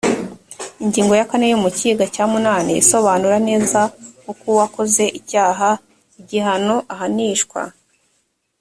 ingingo ya kane yo mugika cya munana isobanura neza uko uwa koze icyaha igihano ahanishwa